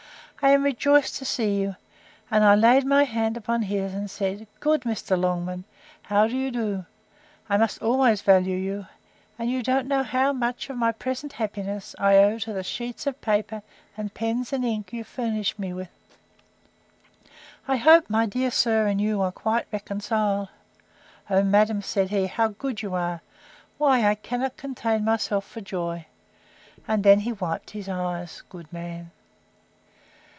I am rejoiced to see you; and I laid my hand on his, and said, Good Mr. Longman, how do you do?—I must always value you; and you don't know how much of my present happiness I owe to the sheets of paper, and pens and ink, you furnished me with. I hope my dear sir and you are quite reconciled.—O, madam, said he, how good you are! Why, I cannot contain myself for joy! and then he wiped his eyes; good man!